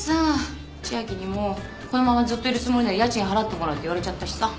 千明にもこのままずっといるつもりなら家賃払ってもらうって言われちゃったしさ。